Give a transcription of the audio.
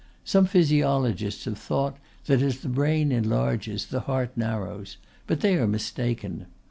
Some physiologists have thought that as the brain enlarges the heart narrows; but they are mistaken.